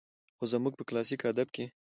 خو زموږ په کلاسيک ادب کې